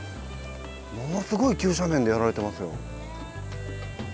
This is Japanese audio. ものすごい急斜面でやられてますよ。